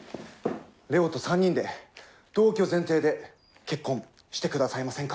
レオと３人で同居前提で結婚してくださいませんか？